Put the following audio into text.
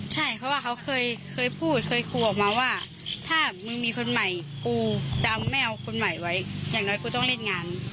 ใช่เพราะว่าเขาเคยพูดเคยครูออกมาว่าถ้ามึงมีคนใหม่กูจะเอาแม่เอาคนใหม่ไว้อย่างน้อยกูต้องเล่นงาน